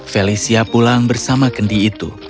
felicia pulang bersama kendi itu